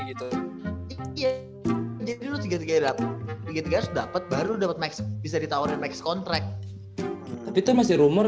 gitu iya jadi lu tiga puluh tiga dapat tiga puluh tiga dapat baru dapat max bisa ditawarin max kontrak tapi itu masih rumor